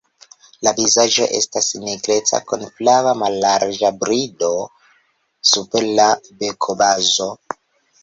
La vizaĝo estas nigreca kun flava mallarĝa brido super la bekobazo.